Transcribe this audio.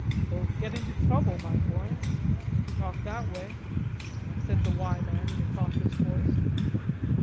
"You'll get into trouble, my boy, if you talk that way," said the "Y" man in a cautious voice.